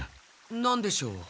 なんでしょう？